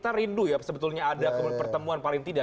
pertemuan paling tidak